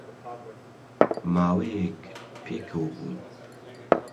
ماوەیەک پێکەوە بووین